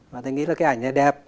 và tôi nghĩ là cái ảnh này đẹp